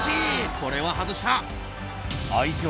これは外した。